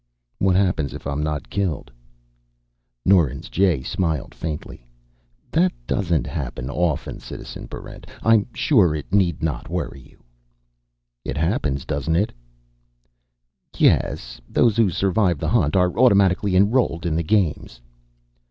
"What happens if I'm not killed?" Norins Jay smiled faintly. "That doesn't happen often, Citizen Barrent. I'm sure it need not worry you." "It happens, doesn't it?" "Yes. Those who survive the Hunt are automatically enrolled in the Games."